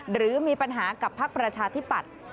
หรือมีปัญหากับพักประชาธิปัตย์